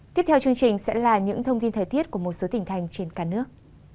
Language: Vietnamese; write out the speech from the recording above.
tiếp theo chương trình sẽ là những thông tin thời tiết của một số tỉnh thành trên cả nước